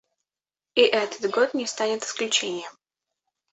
И этот год не станет исключением.